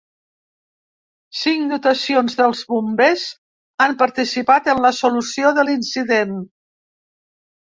Cinc dotacions dels bombers han participat en la solució de l’incident.